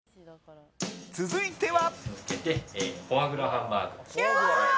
続いては。